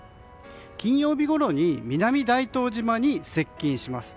金曜日ごろに南大東島に接近します。